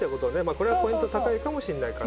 これはポイント高いかもしんないかな。